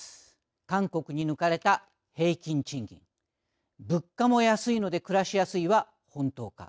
韓国に抜かれた平均賃金物価も安いので暮らしやすいは本当か。